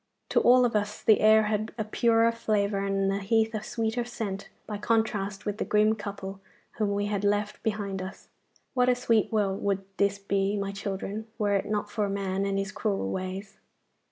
To all of us the air had a purer flavour and the heath a sweeter scent by contrast with the grim couple whom we had left behind us. What a sweet world would this be, my children, were it not for man and his cruel ways!